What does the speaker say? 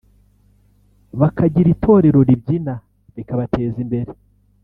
bakagira itorero ribyina bikabateza imbere